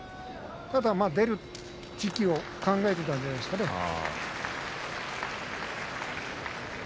ただ、出る時期を考えていたんじゃないですかね。